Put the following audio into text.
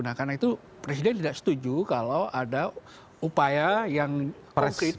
nah karena itu presiden tidak setuju kalau ada upaya yang konkret